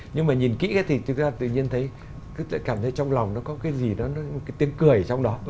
nhưng mà nhìn kỹ thì chúng ta tự nhiên thấy cảm thấy trong lòng nó có cái gì đó cái tiếng cười ở trong đó